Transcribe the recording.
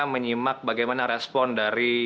menyimak bagaimana respon dari